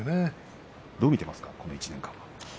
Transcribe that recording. どう見ていますか、この１年間。